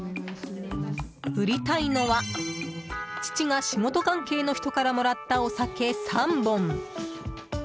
売りたいのは父が仕事関係の人からもらったお酒３本。